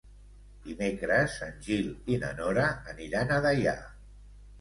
Dimecres en Gil i na Nora aniran a Deià.